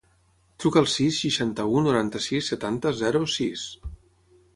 Truca al sis, seixanta-u, noranta-sis, setanta, zero, sis.